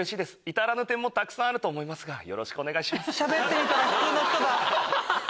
至らぬ点もたくさんありますがよろしくお願いします。